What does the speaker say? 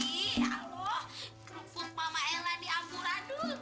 ya allah keruput mama ella diambu radu